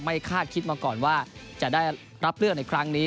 คาดคิดมาก่อนว่าจะได้รับเลือกในครั้งนี้